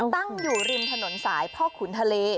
ตั้งอยู่ริมถนนสายพ่อขุนทะเล